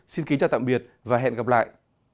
xin kính chào tạm biệt và hẹn gặp lại